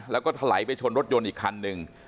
แล้วก็ถลายไปชนรถยนต์อีกคันหนึ่ง